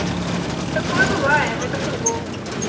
Такое бывае, гэта футбол.